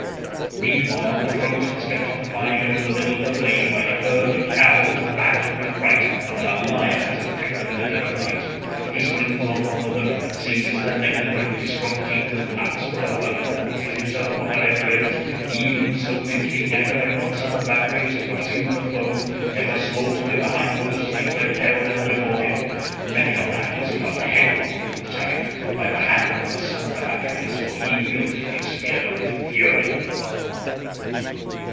Meanwhile the Trojans kept on flying over the middle of the plain like a herd of cows maddened with fright when a lion has attacked them in the dead of night—he springs on one of them, seizes her neck in the grip of his strong teeth and then laps up her blood and gorges himself upon her entrails—even so did King Agamemnon son of Atreus pursue the foe, ever slaughtering the hindmost as they fled pell mell before him. Many a man was flung headlong from his chariot by the hand of the son of Atreus, for he wielded his spear with fury.